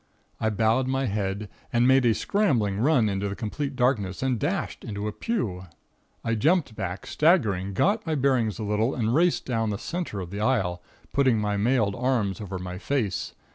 I bowed my head, and made a scrambling run in the complete darkness and dashed into a pew. I jumped back, staggering, got my bearings a little, and raced down the center of the aisle, putting my mailed arms over my face.